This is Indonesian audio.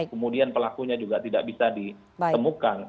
kemudian pelakunya juga tidak bisa ditemukan